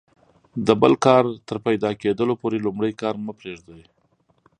د بل کار تر پیدا کیدلو پوري لومړی کار مه پرېږئ!